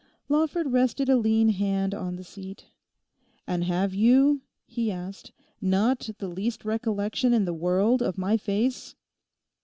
Lawford rested a lean hand on the seat. 'And have you,' he asked, 'not the least recollection in the world of my face?